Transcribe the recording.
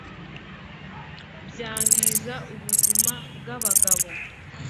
byangiza ubuzima bwa bagabo